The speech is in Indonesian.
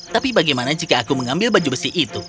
tapi bagaimana jika aku mengambil baju besi itu